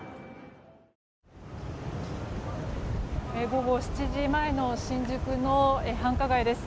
午後７時前の新宿の繁華街です。